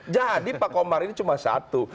jadi pak komar ini cuma satu